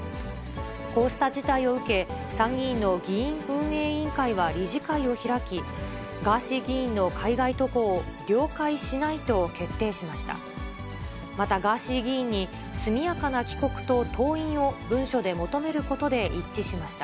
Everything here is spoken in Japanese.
こうした事態を受け、参議院の議院運営委員会は理事会を開き、ガーシー議員の海外渡航を了解しないと決定しました。